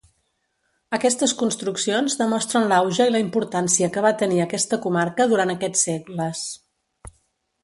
Aquestes construccions demostren l'auge i la importància que va tenir aquesta comarca durant aquests segles.